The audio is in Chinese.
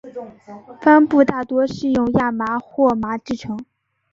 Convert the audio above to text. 帆布大多是用亚麻或麻制成。